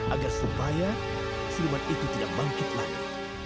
agar supaya siluman itu tidak bangkit lagi